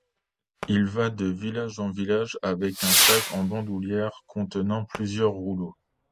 Il va de villages en villages avec un sac en bandoulière contenant plusieurs rouleaux.